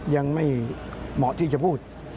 ยังไม่เหมาะที่จะพูด